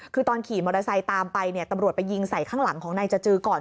คือตอนขี่มอเตอร์ไซค์ตามไปเนี่ยตำรวจไปยิงใส่ข้างหลังของนายจจือก่อน